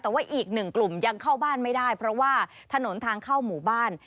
แต่ว่าอีกหนึ่งกลุ่มยังเข้าบ้านไม่ได้เพราะว่าถนนทางเข้าหมู่บ้าน